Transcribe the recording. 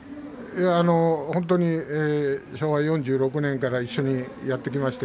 本当に昭和４６年から一緒にやってきました。